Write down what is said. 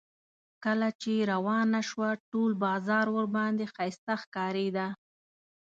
کله چې روانه شوه ټول بازار ورباندې ښایسته ښکارېده.